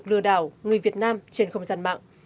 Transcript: lừa đảo người việt nam trên không gian mạng